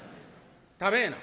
食べえな」。